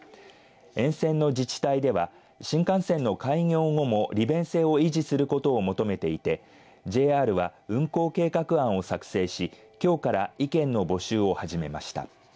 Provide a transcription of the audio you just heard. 沿線の自治体では新幹線の開業後も利便性を維持することを求めていてＪＲは、運行計画案を作成しきょうから意見の募集を始めました。